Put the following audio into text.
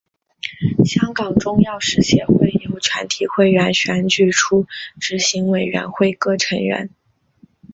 香港中药师协会由全体会员选举出执行委员会各成员。